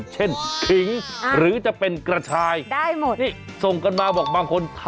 ใช้เมียได้ตลอด